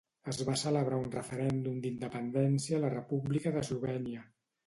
Es va celebrar un referèndum d'independència a la República d'Eslovènia